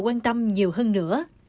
để quan tâm nhiều hơn nữa